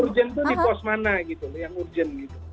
urgen tuh di pos mana gitu yang urgen gitu